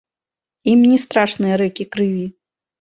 Ім не страшныя рэкі крыві.